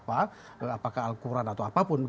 apakah alquran atau apapun